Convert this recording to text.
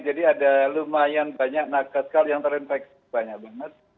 jadi ada lumayan banyak nakes sekali yang terinfeksi banyak banget